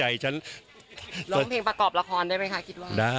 ล้องเพลงประกอบละครได้ไหมค่ะ